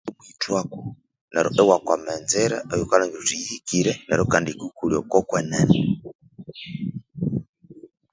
Okwithwako neryo iwakwama enzira eyawukalhangira wuthi yihikire neryo kandi yikendi kukolya okwa kwenene.